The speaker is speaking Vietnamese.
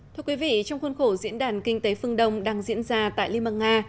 thưa quý vị trong khuôn khổ diễn đàn kinh tế phương đông đang diễn ra tại liên bang nga